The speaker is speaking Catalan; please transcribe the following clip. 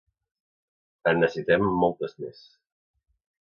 En necessitem moltes més.